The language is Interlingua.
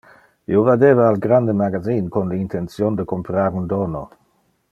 Io vadeva al grande magazin con le intention de comprar un dono.